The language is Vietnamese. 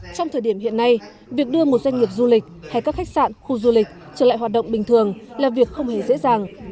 trong thời điểm hiện nay việc đưa một doanh nghiệp du lịch hay các khách sạn khu du lịch trở lại hoạt động bình thường là việc không hề dễ dàng